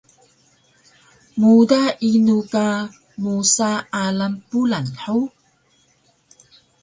Muda inu ka musa alang Pulan hug?